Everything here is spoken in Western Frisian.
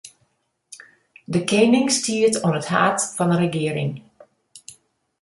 De kening stiet oan it haad fan 'e regearing.